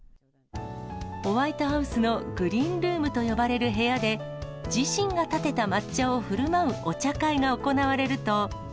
ホワイトハウスのグリーンルームと呼ばれる部屋で、自身がたてた抹茶をふるまうお茶会が行われると。